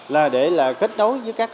là để là kết nối với các